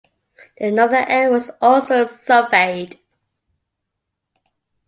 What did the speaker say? The northern end was also surveyed.